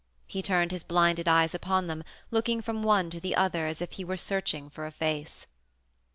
He turned his blinded eyes upon them, looking from one to the other as if he were searching for a face.